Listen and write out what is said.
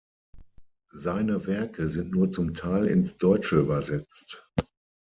Seine Werke sind nur zum Teil ins Deutsche übersetzt.